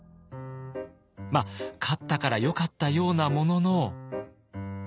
まあ勝ったからよかったようなものの。